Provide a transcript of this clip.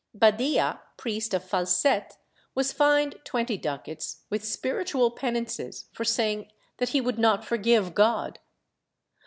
Badia, priest of Falset, was fined twenty ducats, with spiritual penances, for saying that he would not forgive God.